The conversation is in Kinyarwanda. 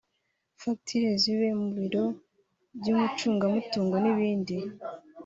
facture zibiwe mu biro by’umucungamutungo n’ibindi